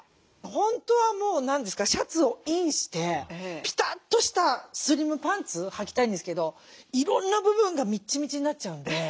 本当はもう何ですかシャツをインしてピタッとしたスリムパンツはきたいんですけどいろんな部分がみっちみちになっちゃうんで。